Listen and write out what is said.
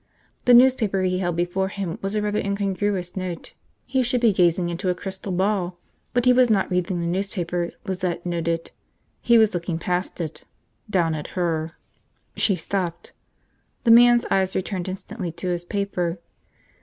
The newspaper he held before him was a rather incongruous note. He should be gazing into a crystal ball. But he was not reading the newspaper, Lizette noted. He was looking past it, down at her. She stopped. The man's eyes returned instantly to his paper.